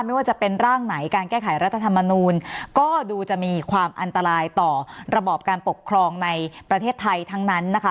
ไม่ว่าจะเป็นร่างไหนการแก้ไขรัฐธรรมนูลก็ดูจะมีความอันตรายต่อระบอบการปกครองในประเทศไทยทั้งนั้นนะคะ